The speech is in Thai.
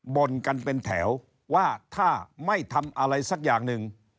บ่นกันเป็นแถวว่าถ้าไม่ทำอะไรสักอย่างหนึ่ง